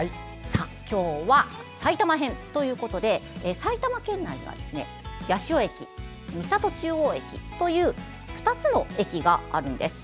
今日は、埼玉編ということで埼玉県内には八潮駅と三郷中央駅という２つの駅があるんです。